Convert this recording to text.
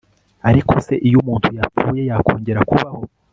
ariko se, iyo umuntu yapfuye, yakongera kubaho?